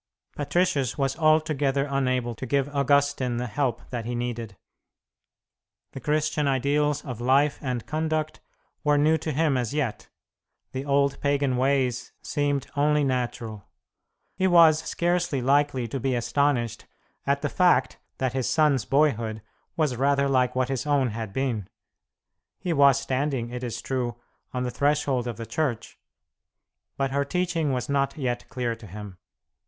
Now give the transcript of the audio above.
Patricius was altogether unable to give Augustine the help that he needed. The Christian ideals of life and conduct were new to him as yet; the old pagan ways seemed only natural. He was scarcely likely to be astonished at the fact that his son's boyhood was rather like what his own had been. He was standing, it is true, on the threshold of the Church, but her teaching was not yet clear to him.